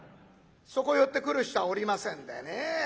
そこへ寄ってくる人はおりませんでね。